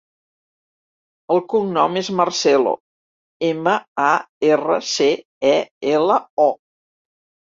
El cognom és Marcelo: ema, a, erra, ce, e, ela, o.